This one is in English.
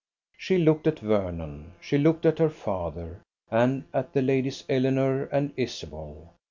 She looked at Vernon, she looked at her father, and at the ladies Eleanor and Isabel.